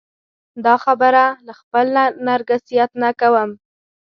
دا خبره له خپل نرګسیت نه کوم.